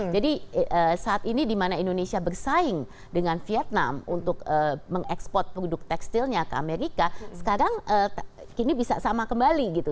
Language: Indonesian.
jadi saat ini dimana indonesia bersaing dengan vietnam untuk mengekspor produk tekstilnya ke amerika sekarang ini bisa sama kembali gitu